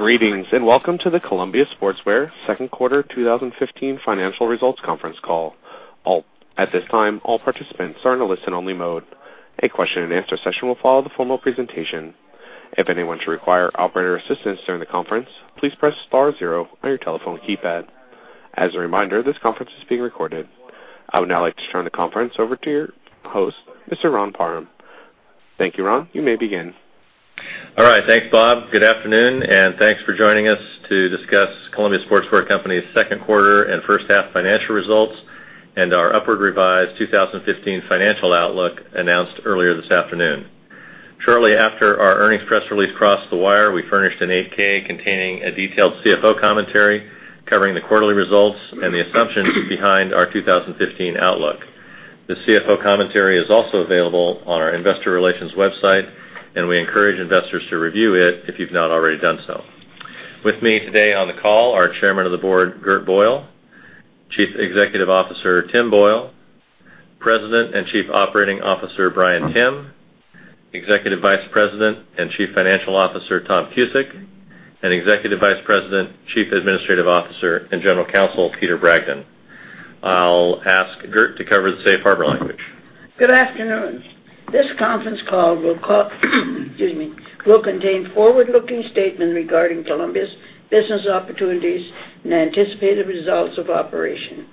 Greetings, and welcome to the Columbia Sportswear second quarter 2015 financial results conference call. At this time, all participants are in a listen-only mode. A question and answer session will follow the formal presentation. If anyone should require operator assistance during the conference, please press star zero on your telephone keypad. As a reminder, this conference is being recorded. I would now like to turn the conference over to your host, Mr. Ron Parham. Thank you, Ron. You may begin. All right. Thanks, Bob. Good afternoon, and thanks for joining us to discuss Columbia Sportswear Company's second quarter and first half financial results and our upward revised 2015 financial outlook announced earlier this afternoon. Shortly after our earnings press release crossed the wire, we furnished an 8-K containing a detailed CFO commentary covering the quarterly results and the assumptions behind our 2015 outlook. The CFO commentary is also available on our investor relations website, and we encourage investors to review it if you've not already done so. With me today on the call, are Chairman of the Board, Gert Boyle, Chief Executive Officer, Tim Boyle, President and Chief Operating Officer, Bryan Timm, Executive Vice President and Chief Financial Officer, Tom Cusick, and Executive Vice President, Chief Administrative Officer and General Counsel, Peter Bragdon. I'll ask Gert to cover the safe harbor language. Good afternoon. This conference call will contain forward-looking statements regarding Columbia's business opportunities and anticipated results of operation.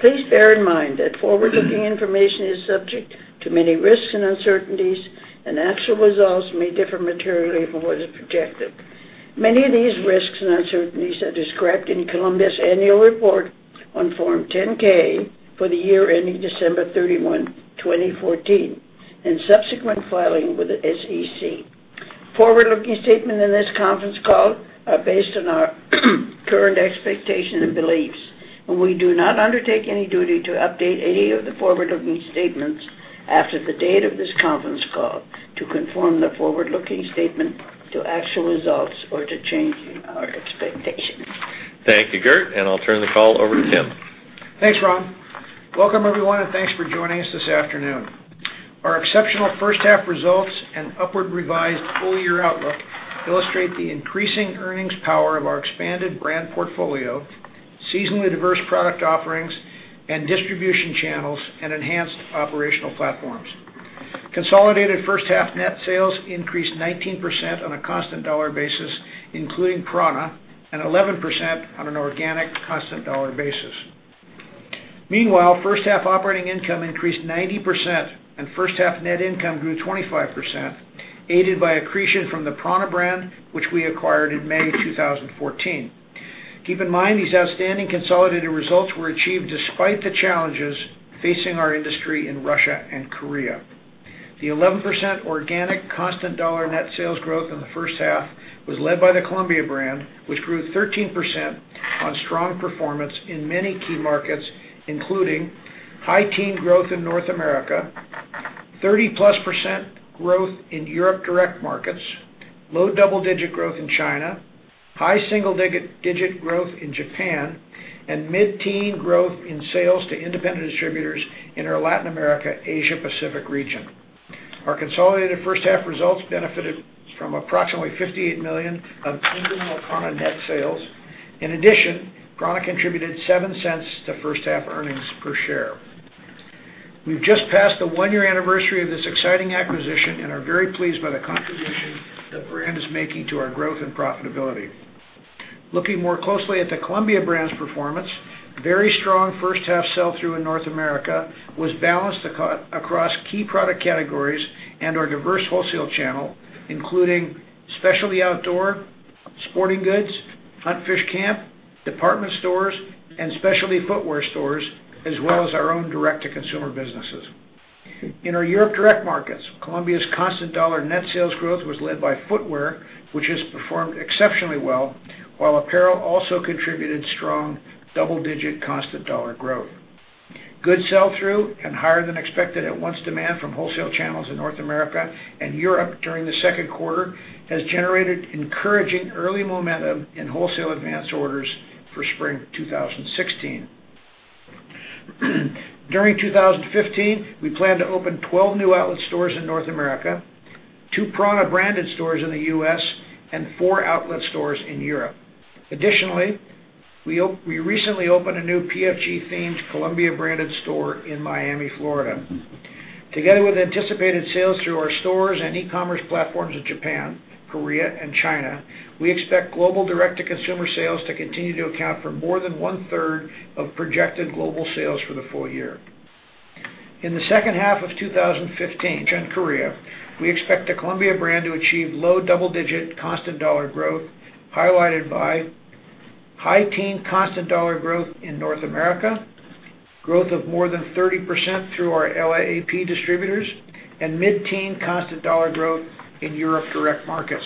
Please bear in mind that forward-looking information is subject to many risks and uncertainties, and actual results may differ materially from what is projected. Many of these risks and uncertainties are described in Columbia's annual report on Form 10-K for the year ending December 31, 2014, and subsequent filing with the SEC. Forward-looking statements in this conference call are based on our current expectations and beliefs, and we do not undertake any duty to update any of the forward-looking statements after the date of this conference call to conform the forward-looking statement to actual results or to changing our expectations. Thank you, Gert, and I'll turn the call over to Tim. Thanks, Ron. Welcome everyone, thanks for joining us this afternoon. Our exceptional first half results and upward revised full-year outlook illustrate the increasing earnings power of our expanded brand portfolio, seasonally diverse product offerings and distribution channels, and enhanced operational platforms. Consolidated first half net sales increased 19% on a constant dollar basis, including prAna, and 11% on an organic constant dollar basis. Meanwhile, first half operating income increased 90%, and first half net income grew 25%, aided by accretion from the prAna brand, which we acquired in May 2014. Keep in mind, these outstanding consolidated results were achieved despite the challenges facing our industry in Russia and Korea. The 11% organic constant dollar net sales growth in the first half was led by the Columbia brand, which grew 13% on strong performance in many key markets, including high teen growth in North America, 30-plus % growth in Europe direct markets, low double-digit growth in China, high single-digit growth in Japan, and mid-teen growth in sales to independent distributors in our Latin America, Asia Pacific region. Our consolidated first half results benefited from approximately $58 million of incremental prAna net sales. In addition, prAna contributed $0.07 to first half earnings per share. We've just passed the one-year anniversary of this exciting acquisition and are very pleased by the contribution the brand is making to our growth and profitability. Looking more closely at the Columbia brand's performance, very strong first half sell-through in North America was balanced across key product categories and our diverse wholesale channel, including specialty outdoor, sporting goods, hunt fish camp, department stores, and specialty footwear stores, as well as our own direct-to-consumer businesses. In our Europe direct markets, Columbia's constant dollar net sales growth was led by footwear, which has performed exceptionally well, while apparel also contributed strong double-digit constant dollar growth. Good sell-through and higher than expected at once demand from wholesale channels in North America and Europe during the second quarter has generated encouraging early momentum in wholesale advance orders for spring 2016. During 2015, we plan to open 12 new outlet stores in North America, two prAna branded stores in the U.S., and four outlet stores in Europe. Additionally, we recently opened a new PFG-themed Columbia branded store in Miami, Florida. Together with anticipated sales through our stores and e-commerce platforms in Japan, Korea, and China, we expect global direct-to-consumer sales to continue to account for more than one-third of projected global sales for the full year. In the second half of 2015 and Korea, we expect the Columbia brand to achieve low double-digit constant dollar growth, highlighted by high teen constant dollar growth in North America, growth of more than 30% through our LAAP distributors, and mid-teen constant dollar growth in Europe direct markets.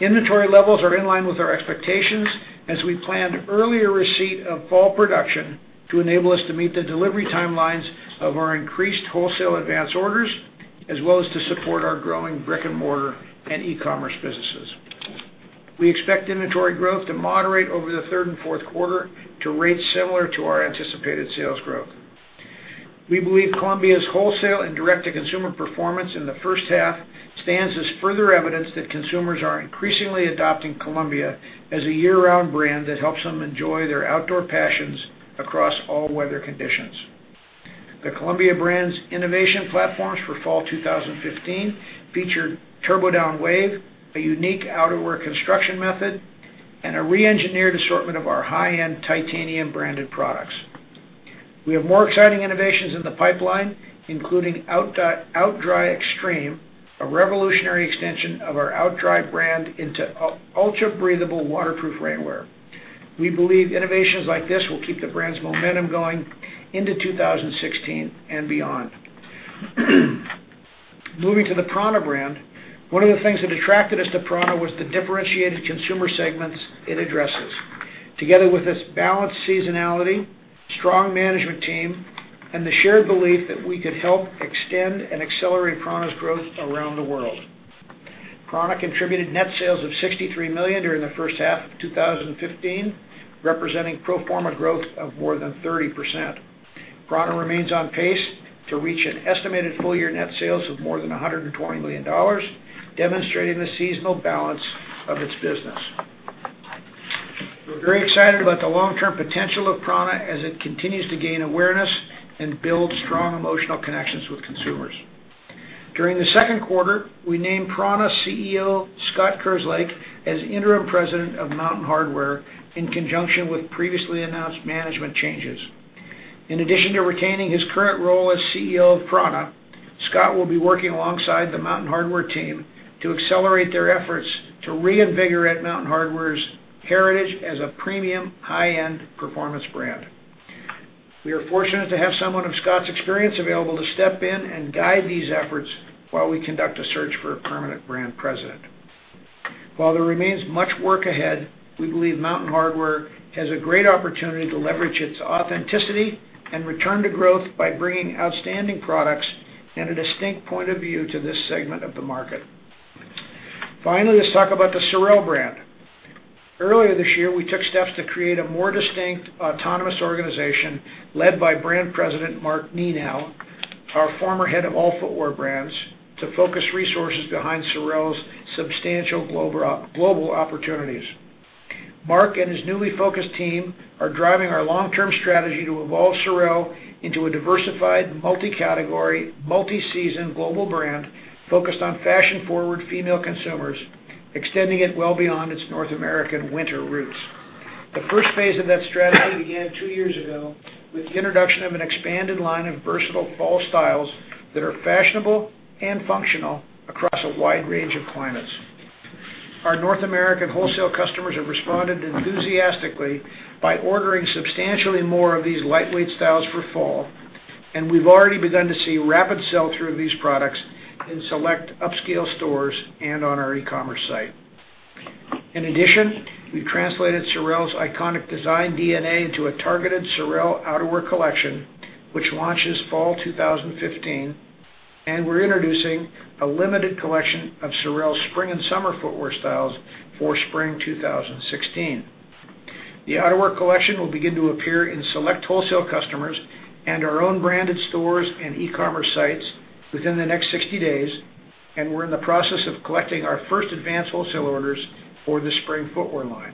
Inventory levels are in line with our expectations as we planned earlier receipt of fall production to enable us to meet the delivery timelines of our increased wholesale advance orders, as well as to support our growing brick and mortar and e-commerce businesses. We expect inventory growth to moderate over the third and fourth quarter to rates similar to our anticipated sales growth. We believe Columbia's wholesale and direct-to-consumer performance in the first half stands as further evidence that consumers are increasingly adopting Columbia as a year-round brand that helps them enjoy their outdoor passions across all weather conditions. The Columbia brand's innovation platforms for fall 2015 featured TurboDown Wave, a unique outerwear construction method, and a re-engineered assortment of our high-end Titanium-branded products. We have more exciting innovations in the pipeline, including OutDry Extreme, a revolutionary extension of our OutDry brand into ultra-breathable waterproof rainwear. We believe innovations like this will keep the brand's momentum going into 2016 and beyond. Moving to the prAna brand, one of the things that attracted us to prAna was the differentiated consumer segments it addresses, together with its balanced seasonality, strong management team, and the shared belief that we could help extend and accelerate prAna's growth around the world. prAna contributed net sales of $63 million during the first half of 2015, representing pro forma growth of more than 30%. prAna remains on pace to reach an estimated full-year net sales of more than $120 million, demonstrating the seasonal balance of its business. We're very excited about the long-term potential of prAna as it continues to gain awareness and build strong emotional connections with consumers. During the second quarter, we named prAna's CEO, Scott Kerslake, as interim president of Mountain Hardwear in conjunction with previously announced management changes. In addition to retaining his current role as CEO of prAna, Scott will be working alongside the Mountain Hardwear team to accelerate their efforts to reinvigorate Mountain Hardwear's heritage as a premium, high-end performance brand. We are fortunate to have someone of Scott's experience available to step in and guide these efforts while we conduct a search for a permanent brand president. While there remains much work ahead, we believe Mountain Hardwear has a great opportunity to leverage its authenticity and return to growth by bringing outstanding products and a distinct point of view to this segment of the market. Finally, let's talk about the SOREL brand. Earlier this year, we took steps to create a more distinct, autonomous organization led by President Mark Nenow, our former head of all footwear brands, to focus resources behind SOREL's substantial global opportunities. Mark and his newly focused team are driving our long-term strategy to evolve SOREL into a diversified, multi-category, multi-season global brand focused on fashion-forward female consumers, extending it well beyond its North American winter roots. The first phase of that strategy began two years ago with the introduction of an expanded line of versatile fall styles that are fashionable and functional across a wide range of climates. Our North American wholesale customers have responded enthusiastically by ordering substantially more of these lightweight styles for fall, and we've already begun to see rapid sell-through of these products in select upscale stores and on our e-commerce site. In addition, we've translated SOREL's iconic design DNA into a targeted SOREL outerwear collection, which launches fall 2015, and we're introducing a limited collection of SOREL's spring and summer footwear styles for spring 2016. The outerwear collection will begin to appear in select wholesale customers and our own branded stores and e-commerce sites within the next 60 days, and we're in the process of collecting our first advance wholesale orders for the spring footwear line.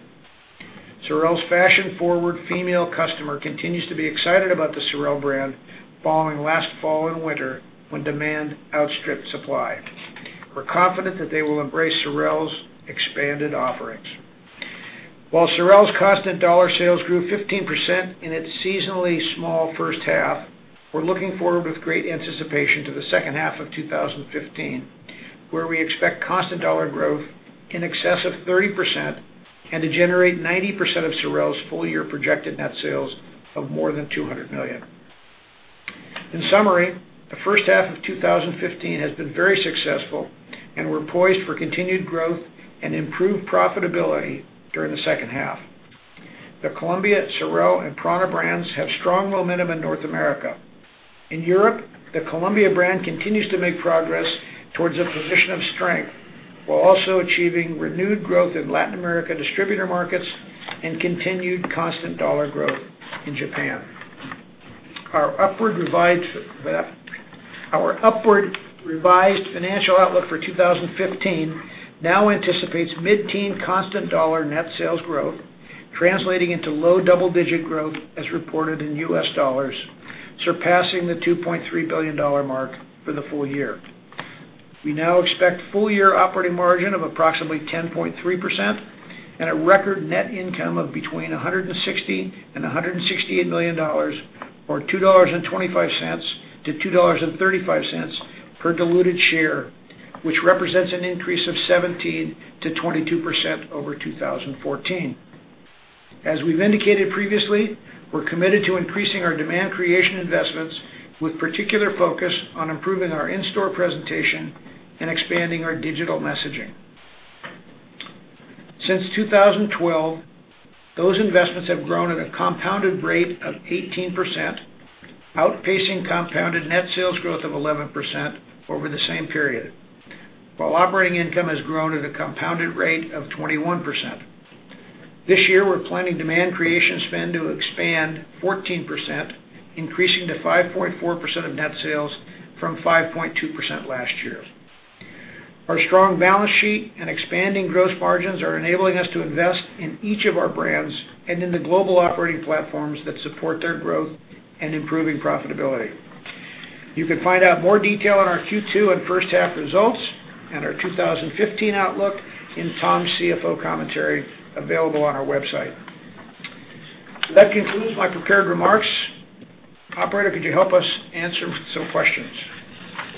SOREL's fashion-forward female customer continues to be excited about the SOREL brand following last fall and winter, when demand outstripped supply. We're confident that they will embrace SOREL's expanded offerings. While SOREL's constant dollar sales grew 15% in its seasonally small first half, we're looking forward with great anticipation to the second half of 2015, where we expect constant dollar growth in excess of 30% and to generate 90% of SOREL's full-year projected net sales of more than $200 million. In summary, the first half of 2015 has been very successful, and we're poised for continued growth and improved profitability during the second half. The Columbia, SOREL, and prAna brands have strong momentum in North America. In Europe, the Columbia brand continues to make progress towards a position of strength, while also achieving renewed growth in Latin America distributor markets and continued constant dollar growth in Japan. Our upward revised financial outlook for 2015 now anticipates mid-teen constant dollar net sales growth, translating into low double-digit growth as reported in U.S. dollars, surpassing the $2.3 billion mark for the full year. We now expect full-year operating margin of approximately 10.3% and a record net income of between $160 million and $168 million, or $2.25 to $2.35 per diluted share, which represents an increase of 17%-22% over 2014. As we've indicated previously, we're committed to increasing our demand creation investments, with particular focus on improving our in-store presentation and expanding our digital messaging. Since 2012, those investments have grown at a compounded rate of 18%, outpacing compounded net sales growth of 11% over the same period, while operating income has grown at a compounded rate of 21%. This year, we're planning demand creation spend to expand 14%, increasing to 5.4% of net sales from 5.2% last year. Our strong balance sheet and expanding gross margins are enabling us to invest in each of our brands and in the global operating platforms that support their growth and improving profitability. You can find out more detail on our Q2 and first-half results and our 2015 outlook in Tom's CFO commentary available on our website. That concludes my prepared remarks. Operator, could you help us answer some questions?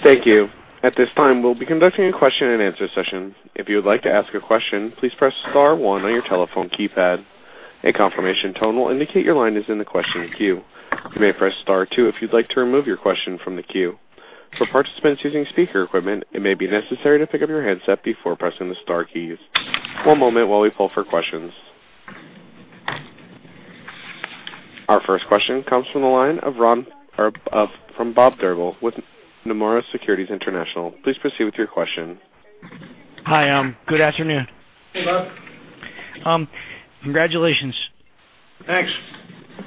Thank you. At this time, we'll be conducting a question and answer session. If you would like to ask a question, please press star one on your telephone keypad. A confirmation tone will indicate your line is in the question queue. You may press star two if you'd like to remove your question from the queue. For participants using speaker equipment, it may be necessary to pick up your headset before pressing the star keys. One moment while we pull for questions. Our first question comes from the line of Bob Drbul with Nomura Securities International. Please proceed with your question. Hi. Good afternoon. Hey, Bob. Congratulations. Thanks.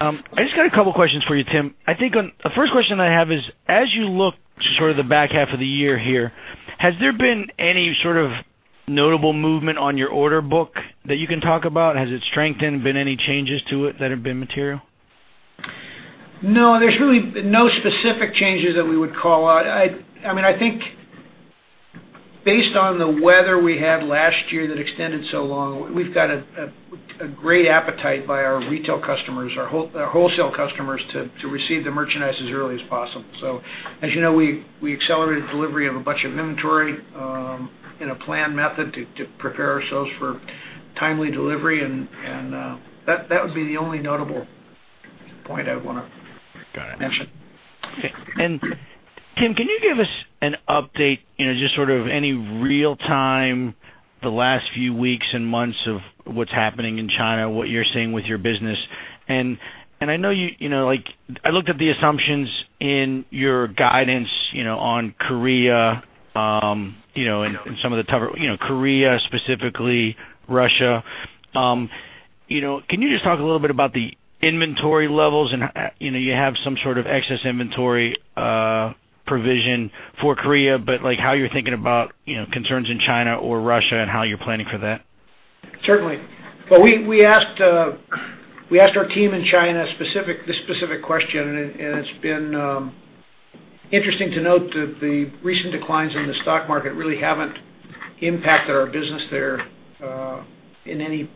I just got a couple questions for you, Tim. I think the first question I have is, as you look sort of the back half of the year here, has there been any sort of notable movement on your order book that you can talk about? Has it strengthened? Been any changes to it that have been material? No. There's really no specific changes that we would call out. I think based on the weather we had last year that extended so long, we've got a great appetite by our retail customers, our wholesale customers, to receive the merchandise as early as possible. As you know, we accelerated delivery of a bunch of inventory in a planned method to prepare ourselves for timely delivery and that would be the only notable point I'd want to mention. Got it. Okay. Tim, can you give us an update, just sort of any real-time, the last few weeks and months of what's happening in China, what you're seeing with your business? I looked at the assumptions in your guidance on Korea and some of the tougher Korea specifically, Russia. Can you just talk a little bit about the inventory levels and you have some sort of excess inventory provision for Korea, but how you're thinking about concerns in China or Russia and how you're planning for that? Certainly. We asked our team in China this specific question, it's been interesting to note that the recent declines in the stock market really haven't impacted our business there in any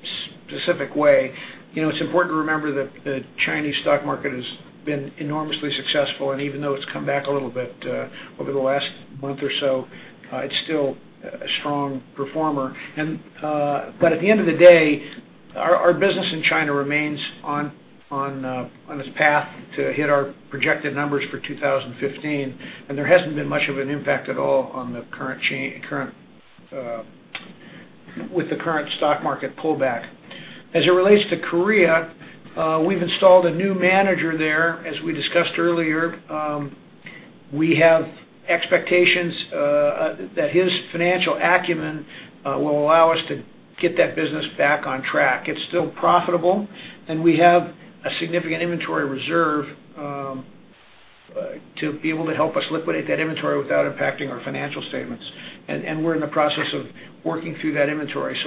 specific way. It's important to remember that the Chinese stock market has been enormously successful, even though it's come back a little bit over the last month or so, it's still a strong performer. At the end of the day, our business in China remains on its path to hit our projected numbers for 2015, there hasn't been much of an impact at all with the current stock market pullback. As it relates to Korea, we've installed a new manager there, as we discussed earlier. We have expectations that his financial acumen will allow us to get that business back on track. It's still profitable, we have a significant inventory reserve to be able to help us liquidate that inventory without impacting our financial statements. We're in the process of working through that inventory.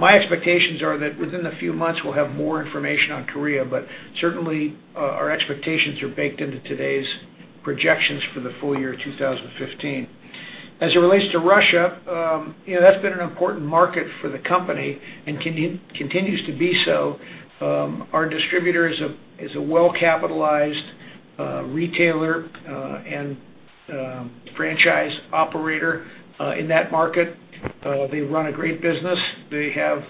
My expectations are that within a few months, we'll have more information on Korea, certainly, our expectations are baked into today's projections for the full year 2015. As it relates to Russia, that's been an important market for the company continues to be so. Our distributor is a well-capitalized retailer and franchise operator in that market. They run a great business. They have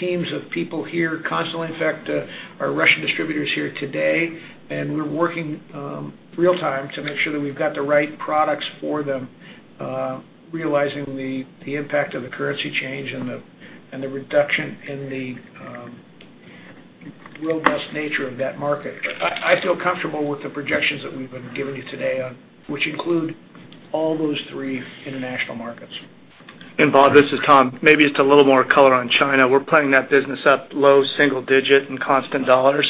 teams of people here constantly. In fact, our Russian distributor's here today, we're working real time to make sure that we've got the right products for them, realizing the impact of the currency change and the reduction in the robust nature of that market. I feel comfortable with the projections that we've been giving you today, which include all those three international markets. Bob, this is Tom. Maybe just a little more color on China. We're planning that business up low single digit in constant dollars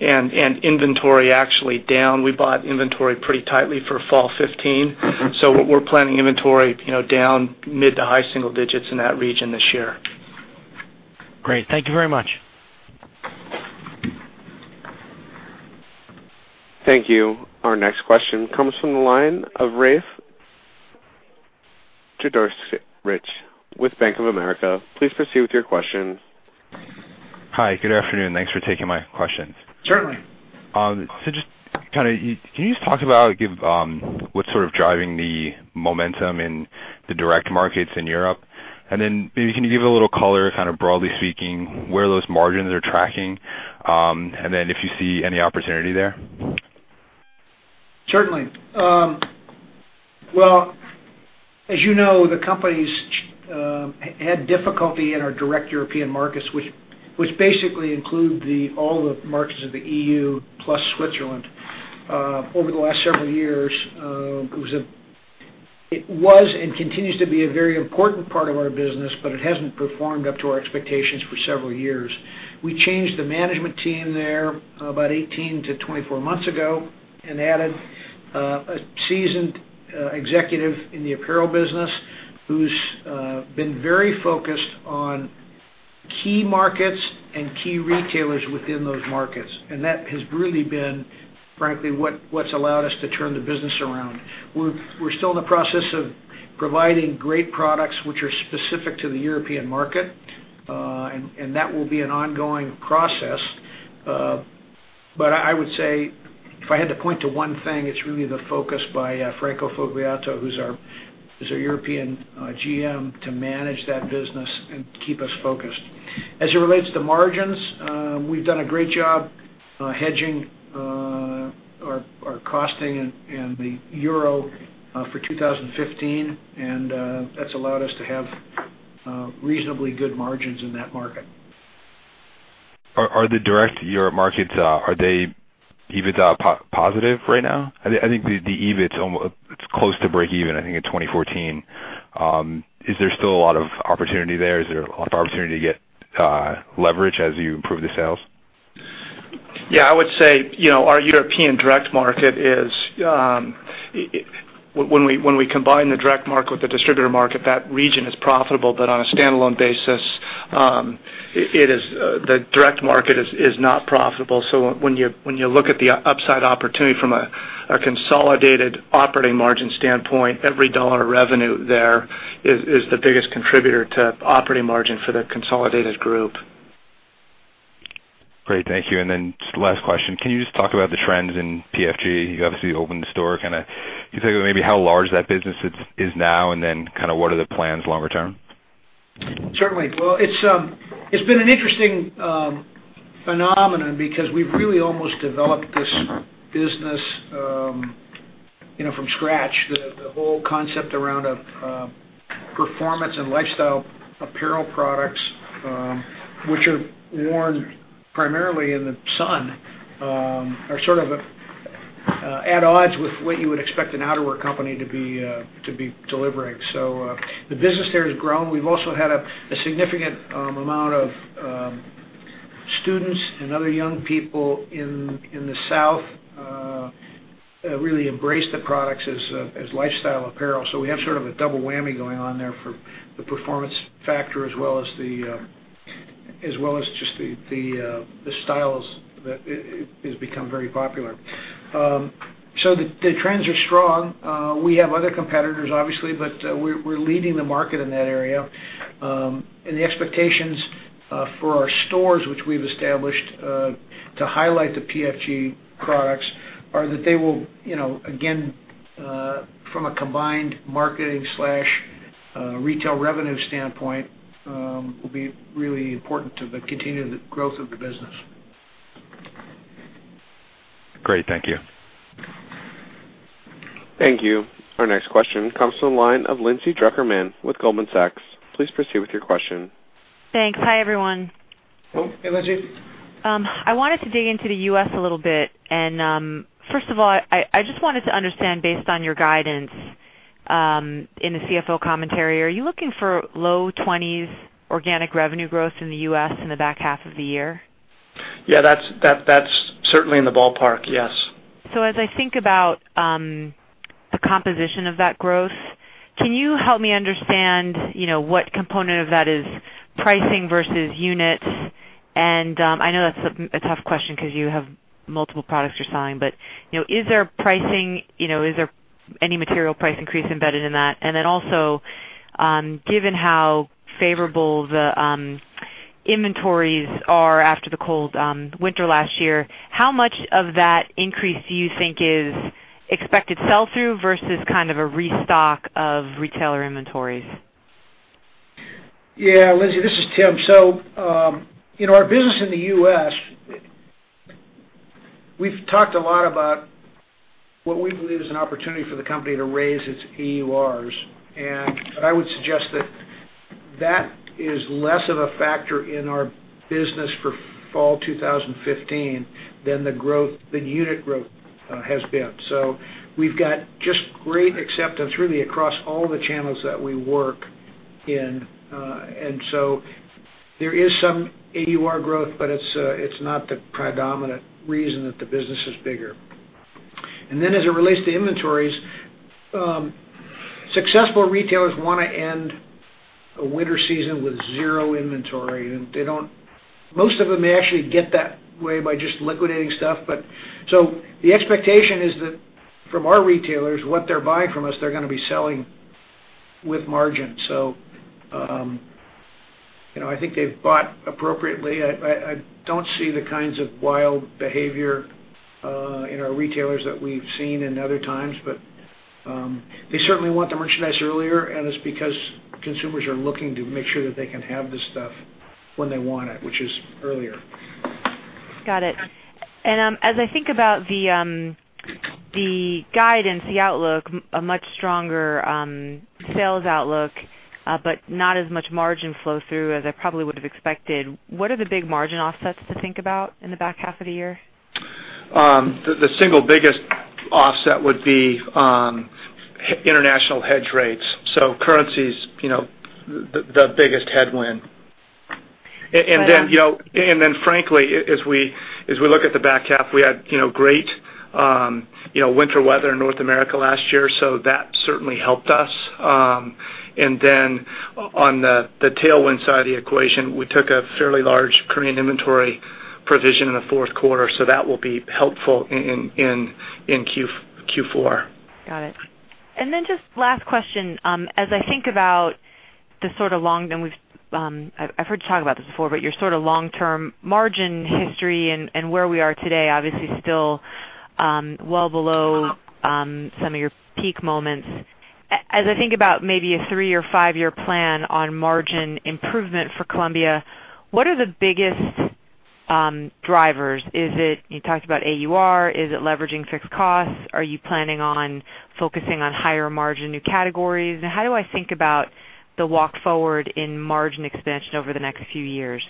and inventory actually down. We bought inventory pretty tightly for fall 2015. We're planning inventory down mid to high single digits in that region this year. Great. Thank you very much. Thank you. Our next question comes from the line of Rafe Jadrosich with Bank of America. Please proceed with your question. Hi. Good afternoon. Thanks for taking my questions. Certainly. Can you just talk about what's sort of driving the momentum in the direct markets in Europe? Maybe, can you give a little color, kind of broadly speaking, where those margins are tracking? If you see any opportunity there? Certainly. Well, as you know, the company's had difficulty in our direct European markets, which basically include all the markets of the EU plus Switzerland. Over the last several years, it was and continues to be a very important part of our business, but it hasn't performed up to our expectations for several years. We changed the management team there about 18 to 24 months ago and added a seasoned executive in the apparel business who's been very focused on key markets and key retailers within those markets. That has really been, frankly, what's allowed us to turn the business around. We're still in the process of providing great products which are specific to the European market, and that will be an ongoing process. I would say if I had to point to one thing, it's really the focus by Franco Fogliato, who's our European GM, to manage that business and keep us focused. As it relates to margins, we've done a great job hedging our costing and the EUR for 2015, that's allowed us to have reasonably good margins in that market. Are the direct EUR markets, are they EBIT positive right now? I think the EBIT, it's close to breakeven, I think in 2014. Is there still a lot of opportunity there? Is there a lot of opportunity to get leverage as you improve the sales? Yeah, I would say our European direct market, when we combine the direct market with the distributor market, that region is profitable, but on a standalone basis, the direct market is not profitable. When you look at the upside opportunity from a consolidated operating margin standpoint, every dollar of revenue there is the biggest contributor to operating margin for the consolidated group. Great. Thank you. Just last question. Can you just talk about the trends in PFG? You obviously opened the store, kind of, can you talk about maybe how large that business is now and then kind of what are the plans longer term? Certainly. Well, it's been an interesting phenomenon because we've really almost developed this business from scratch. The whole concept around performance and lifestyle apparel products, which are worn primarily in the sun, are sort of at odds with what you would expect an outerwear company to be delivering. The business there has grown. We've also had a significant amount of students and other young people in the South really embrace the products as lifestyle apparel. We have sort of a double whammy going on there for the performance factor as well as just the styles that has become very popular. The trends are strong. We have other competitors, obviously, but we're leading the market in that area. The expectations for our stores, which we've established to highlight the PFG products, are that they will, again, from a combined marketing/retail revenue standpoint, will be really important to the continued growth of the business. Great. Thank you. Thank you. Our next question comes from the line of Lindsay Drucker Mann with Goldman Sachs. Please proceed with your question. Thanks. Hi, everyone. Hey, Lindsay. I wanted to dig into the U.S. a little bit. First of all, I just wanted to understand, based on your guidance, in the CFO commentary, are you looking for low 20s organic revenue growth in the U.S. in the back half of the year? Yeah, that's certainly in the ballpark, yes. As I think about the composition of that growth, can you help me understand what component of that is pricing versus units? I know that's a tough question because you have multiple products you're selling, but is there pricing, is there any material price increase embedded in that? Then also, given how favorable the inventories are after the cold winter last year, how much of that increase do you think is expected sell-through versus kind of a restock of retailer inventories? Yeah, Lindsay, this is Tim. Our business in the U.S., we've talked a lot about what we believe is an opportunity for the company to raise its AURs. I would suggest that is less of a factor in our business for fall 2015 than the unit growth has been. We've got just great acceptance really across all the channels that we work in. There is some AUR growth, but it's not the predominant reason that the business is bigger. Then as it relates to inventories, successful retailers want to end a winter season with zero inventory, and most of them may actually get that way by just liquidating stuff. The expectation is that from our retailers, what they're buying from us, they're going to be selling with margin. I think they've bought appropriately. I don't see the kinds of wild behavior in our retailers that we've seen in other times, but they certainly want to merchandise earlier, and it's because consumers are looking to make sure that they can have the stuff when they want it, which is earlier. Got it. As I think about the guidance, the outlook, a much stronger sales outlook, but not as much margin flow through as I probably would have expected, what are the big margin offsets to think about in the back half of the year? The single biggest offset would be international hedge rates. Currencies, the biggest headwind. Go ahead. Frankly, as we look at the back half, we had great winter weather in North America last year, that certainly helped us. On the tailwind side of the equation, we took a fairly large Korean inventory provision in the fourth quarter. That will be helpful in Q4. Got it. Just last question. As I think about the long, and I've heard you talk about this before, but your long-term margin history and where we are today, obviously still well below some of your peak moments. As I think about maybe a three or five-year plan on margin improvement for Columbia, what are the biggest drivers? You talked about AUR. Is it leveraging fixed costs? Are you planning on focusing on higher margin new categories? How do I think about the walk forward in margin expansion over the next few years?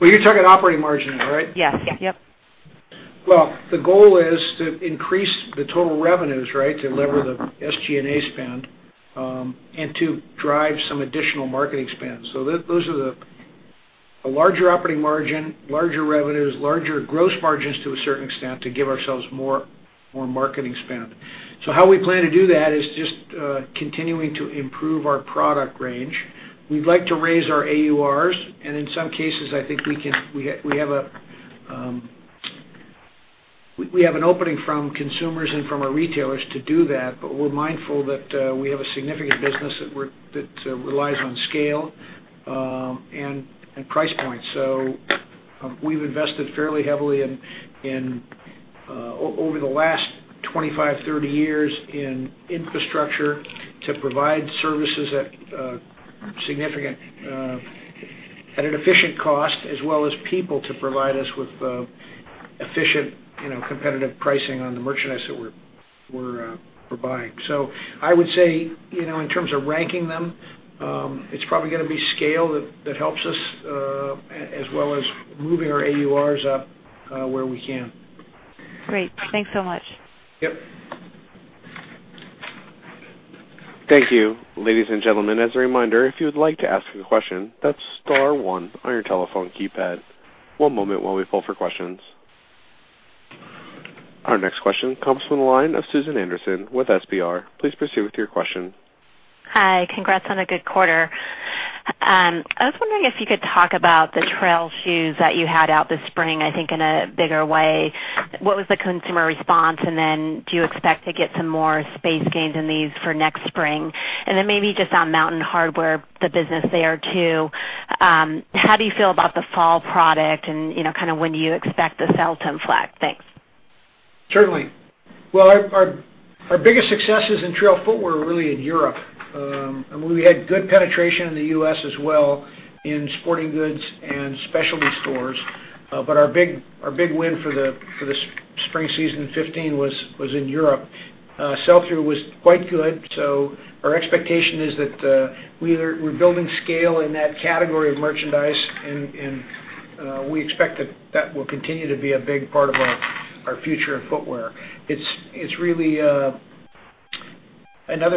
Well, you're talking operating margin now, right? Yes. Yep. The goal is to increase the total revenues, to lever the SG&A spend, and to drive some additional marketing spend. Those are the larger operating margin, larger revenues, larger gross margins to a certain extent, to give ourselves more marketing spend. How we plan to do that is just continuing to improve our product range. We'd like to raise our AURs, and in some cases, I think we have an opening from consumers and from our retailers to do that, but we're mindful that we have a significant business that relies on scale and price point. We've invested fairly heavily over the last 25, 30 years in infrastructure to provide services at an efficient cost as well as people to provide us with efficient, competitive pricing on the merchandise that we're buying. I would say, in terms of ranking them, it's probably going to be scale that helps us, as well as moving our AURs up where we can. Great. Thanks so much. Yep. Thank you. Ladies and gentlemen, as a reminder, if you would like to ask a question, that's star one on your telephone keypad. One moment while we pull for questions. Our next question comes from the line of Susan Anderson with FBR. Please proceed with your question. Hi. Congrats on a good quarter. I was wondering if you could talk about the trail shoes that you had out this spring, I think in a bigger way. What was the consumer response? Do you expect to get some more space gains in these for next spring? Maybe just on Mountain Hardwear, the business there, too. How do you feel about the fall product and kind of when do you expect the sell to flag? Thanks. Certainly. Our biggest success is in trail footwear really in Europe. We had good penetration in the U.S. as well in sporting goods and specialty stores. Our big win for the spring season 2015 was in Europe. Sell-through was quite good. Our expectation is that we're building scale in that category of merchandise and we expect that that will continue to be a big part of our future in footwear. It's really another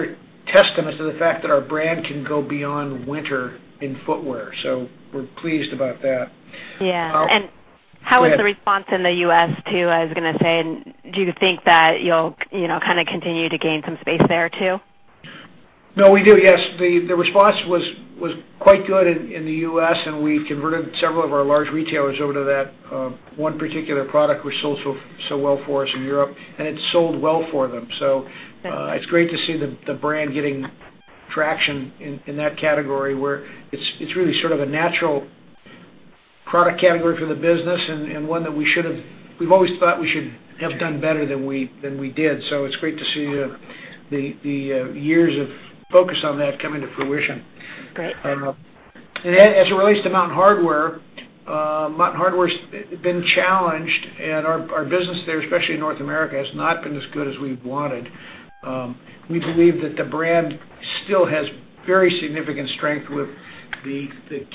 testament to the fact that our brand can go beyond winter in footwear. We're pleased about that. Yeah. Go ahead. How was the response in the U.S., too, I was going to say, and do you think that you'll kind of continue to gain some space there, too? No, we do. Yes. The response was quite good in the U.S., we converted several of our large retailers over to that one particular product, which sold so well for us in Europe, and it sold well for them. Got it It's great to see the brand getting traction in that category where it's really sort of a natural product category for the business and one that we've always thought we should have done better than we did. It's great to see the years of focus on that coming to fruition. Great. As it relates to Mountain Hardwear, Mountain Hardwear's been challenged, and our business there, especially in North America, has not been as good as we wanted. We believe that the brand still has very significant strength with the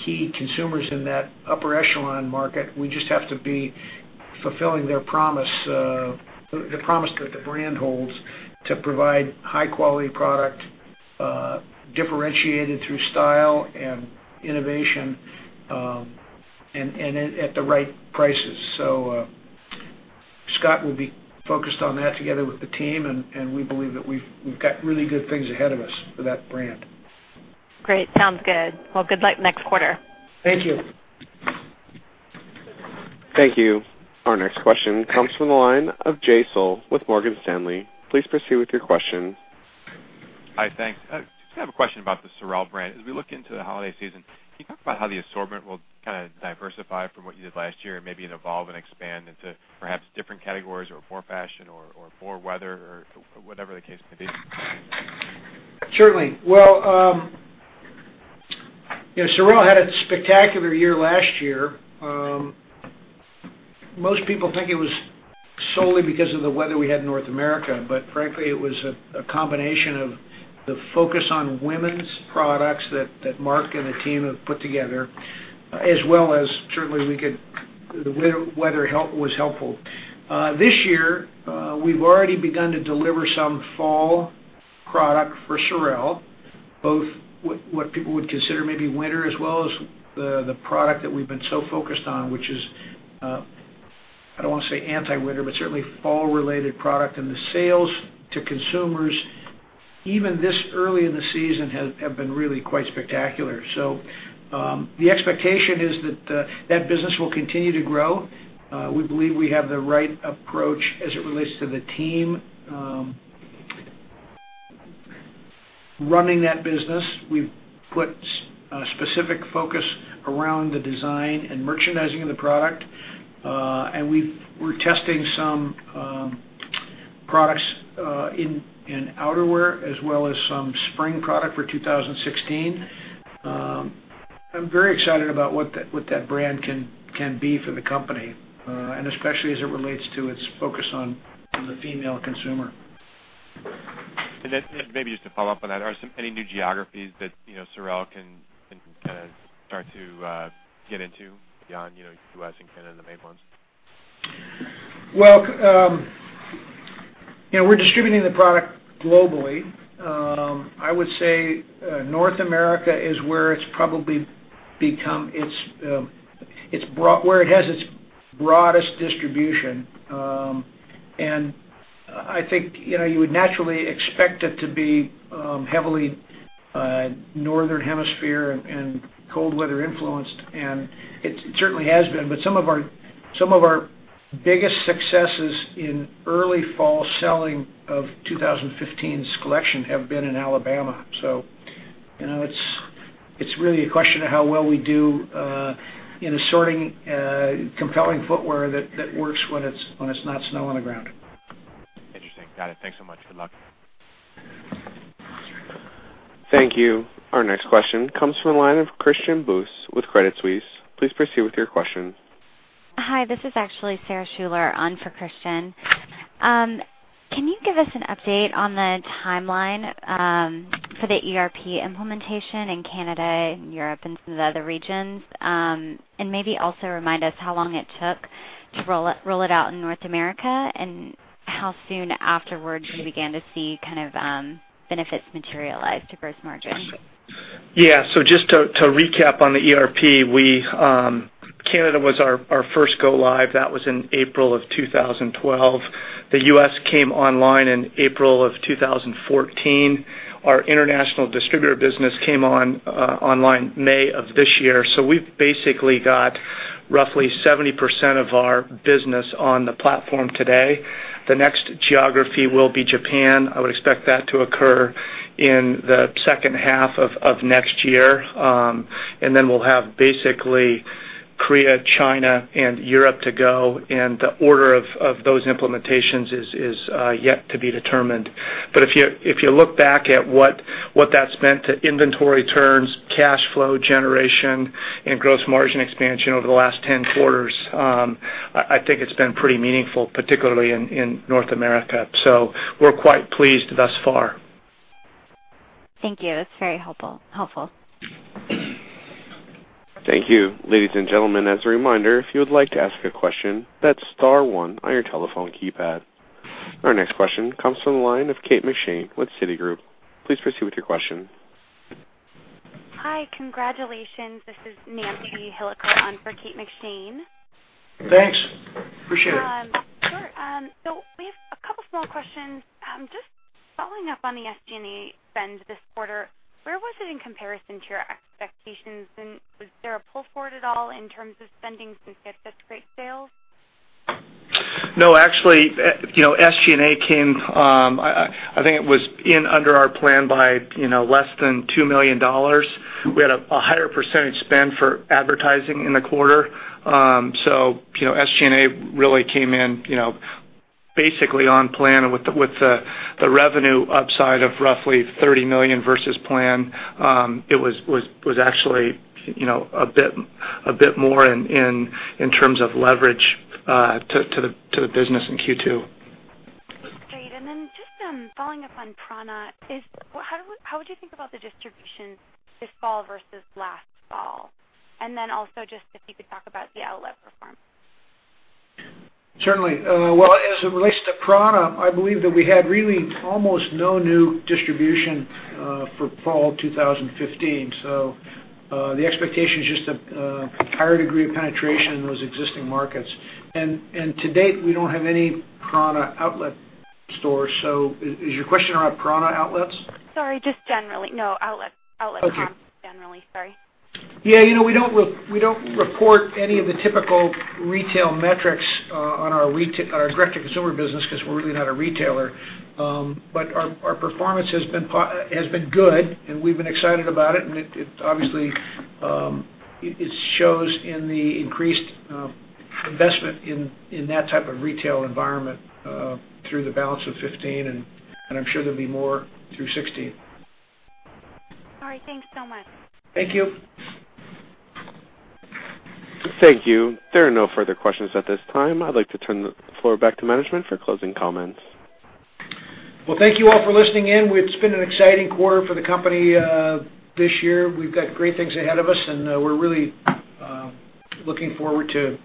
key consumers in that upper echelon market. We just have to be fulfilling their promise that the brand holds to provide high-quality product, differentiated through style and innovation, and at the right prices. Scott will be focused on that together with the team, and we believe that we've got really good things ahead of us for that brand. Great. Sounds good. Well, good luck next quarter. Thank you. Thank you. Our next question comes from the line of Jay Sole with Morgan Stanley. Please proceed with your question. Hi, thanks. Just have a question about the SOREL brand. As we look into the holiday season, can you talk about how the assortment will kind of diversify from what you did last year and maybe evolve and expand into perhaps different categories or for fashion or for weather or whatever the case may be? Certainly. Well, SOREL had a spectacular year last year. Most people think it was solely because of the weather we had in North America. Frankly, it was a combination of the focus on women's products that Mark and the team have put together, as well as certainly, the weather was helpful. This year, we've already begun to deliver some fall product for SOREL, both what people would consider maybe winter, as well as the product that we've been so focused on, which is, I don't want to say anti-winter, but certainly fall related product. The sales to consumers, even this early in the season, have been really quite spectacular. The expectation is that that business will continue to grow. We believe we have the right approach as it relates to the team running that business. We've put a specific focus around the design and merchandising of the product. We're testing some products in outerwear as well as some spring product for 2016. I'm very excited about what that brand can be for the company, and especially as it relates to its focus on the female consumer. Maybe just to follow up on that, are there any new geographies that SOREL can kind of start to get into beyond U.S. and Canada, the main ones? Well, we're distributing the product globally. I would say North America is where it has its broadest distribution. I think you would naturally expect it to be heavily northern hemisphere and cold weather influenced, and it certainly has been. Some of our biggest successes in early fall selling of 2015's collection have been in Alabama. It's really a question of how well we do in assorting compelling footwear that works when it's not snow on the ground. Interesting. Got it. Thanks so much. Good luck. Thank you. Our next question comes from the line of Christian Buss with Credit Suisse. Please proceed with your question. Hi, this is actually [Sarah Schuler] on for Christian. Can you give us an update on the timeline for the ERP implementation in Canada and Europe and some of the other regions? Maybe also remind us how long it took to roll it out in North America and how soon afterwards you began to see kind of benefits materialize to gross margin. Yeah. Just to recap on the ERP, Canada was our first go live. That was in April of 2012. The U.S. came online in April of 2014. Our international distributor business came online May of this year. We've basically got roughly 70% of our business on the platform today. The next geography will be Japan. I would expect that to occur in the second half of next year. Then we'll have basically Korea, China and Europe to go. The order of those implementations is yet to be determined. If you look back at what that's meant to inventory turns, cash flow generation, and gross margin expansion over the last 10 quarters, I think it's been pretty meaningful, particularly in North America. We're quite pleased thus far. Thank you. That's very helpful. Thank you. Ladies and gentlemen, as a reminder, if you would like to ask a question, that's star one on your telephone keypad. Our next question comes from the line of Kate McShane with Citigroup. Please proceed with your question. Hi, congratulations. This is Nancy Hilliker on for Kate McShane. Thanks. Appreciate it. Sure. We have a couple small questions. Just following up on the SG&A spend this quarter, where was it in comparison to your expectations, and was there a pull forward at all in terms of spending since you had great sales? No, actually, SG&A came, I think it was in under our plan by less than $2 million. We had a higher percentage spend for advertising in the quarter. SG&A really came in basically on plan with the revenue upside of roughly $30 million versus plan. It was actually a bit more in terms of leverage to the business in Q2. Great. Just following up on prAna, how would you think about the distribution this fall versus last fall? Also just if you could talk about the outlet performance. Certainly. Well, as it relates to prAna, I believe that we had really almost no new distribution for fall 2015. The expectation is just a higher degree of penetration in those existing markets. To date, we don't have any prAna outlet stores. Is your question around prAna outlets? Sorry, just generally. No, outlet comps- Okay generally. Sorry. Yeah, we don't report any of the typical retail metrics on our direct-to-consumer business because we're really not a retailer. Our performance has been good, and we've been excited about it, and obviously, it shows in the increased investment in that type of retail environment through the balance of 2015, and I'm sure there'll be more through 2016. All right. Thanks so much. Thank you. Thank you. There are no further questions at this time. I'd like to turn the floor back to management for closing comments. Well, thank you all for listening in. It's been an exciting quarter for the company this year. We've got great things ahead of us, and we're really looking forward to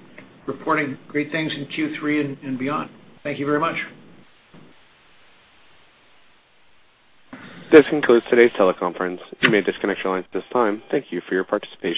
reporting great things in Q3 and beyond. Thank you very much. This concludes today's teleconference. You may disconnect your lines at this time. Thank you for your participation.